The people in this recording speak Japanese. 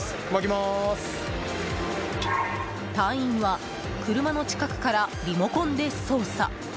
隊員は、車の近くからリモコンで操作。